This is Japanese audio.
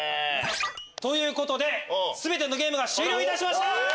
ということで全てのゲームが終了いたしました！